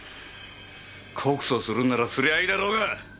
告訴するならすりゃあいいだろうが！